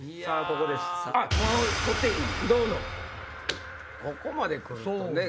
ここまで来るとね。